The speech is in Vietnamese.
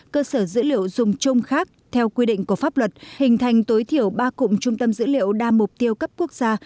cơ sở dữ liệu dùng chung khác theo quy định của pháp luật hình thành tối thiểu ba cụm trung tâm dữ liệu đa mục tiêu cấp quốc gia